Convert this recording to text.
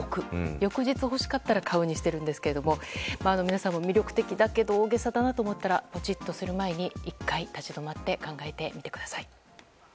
翌日欲しかったら買うにしているんですが皆さんも、魅力的だけど大げさだなと思ったらポチッとする前に１回、立ち止まって考えてみてください。